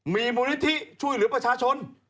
มีมูลนิธิช่วยเหลือประชาชน